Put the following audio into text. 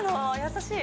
優しい！